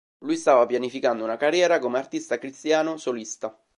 Lui stava pianificando una carriera come artista cristiano solista.